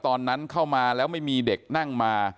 ตอนนั้นเข้ามาแล้วไม่มีเด็กนั่งมา